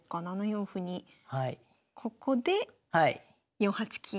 ７四歩にここで４八金。